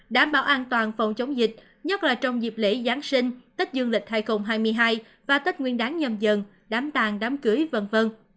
đảm bảo an toàn phòng chống dịch nhất là trong dịp lễ giáng sinh tết dương lịch hai nghìn hai mươi hai và tết nguyên đáng nhầm dần đám tàn đám cưới v v